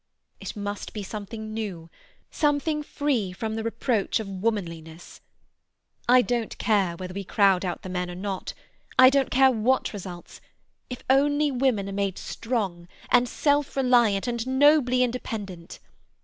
"It must be something new, something free from the reproach of womanliness. I don't care whether we crowd out the men or not. I don't care what results, if only women are made strong and self reliant and nobly independent!